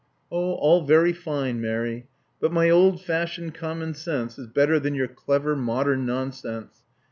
All very fine, Mary; but my old fashioned common sense is better than your clever modern nonsense.